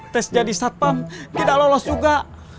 tes jadi satpam tidak lolos juga